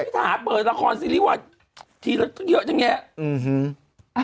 พี่ถาเปิดละครซีรีส์ว่ะเยอะแยะ